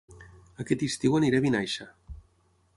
Aquest estiu aniré a Vinaixa